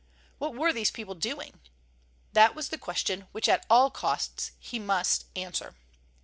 What were these people doing? That was the question which at all costs he must answer.